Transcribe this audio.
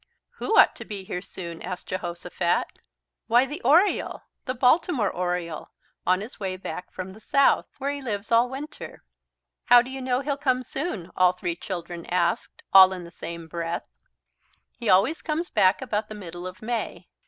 "Who ought to be here soon?" asked Jehosophat. "Why, the Oriole, the Baltimore Oriole, on his way back from the South, where he lives all winter." "How do you know he'll come soon?" the three children asked, all in the same breath. "He always comes back about the middle of May.